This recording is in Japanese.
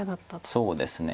そうですね。